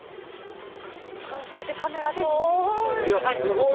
これも全てカメラで認識していると。